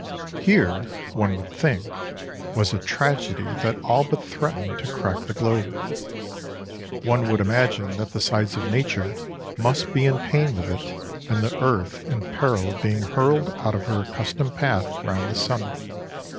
Here, one would think, was a tragedy that all but threatened to crack the globe. One would imagine that the sides of Nature must be in pain with it and the earth in peril of being hurled out of her accustomed path round the sun.